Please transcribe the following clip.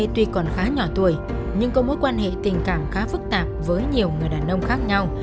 tuy còn khá nhỏ tuổi nhưng có mối quan hệ tình cảm khá phức tạp với nhiều người đàn ông khác nhau